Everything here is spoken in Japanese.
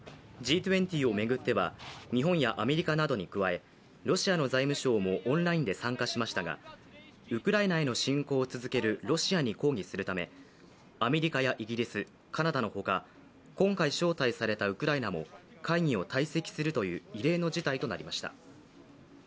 Ｇ２０を巡っては、日本やアメリカなどに加えロシアの財務相もオンラインで参加しましたがウクライナへの侵攻を続けるロシアに抗議するためアメリカやイギリス、カナダのほか今回招待されたウクライナも会議を退席するという異例の事態となりました。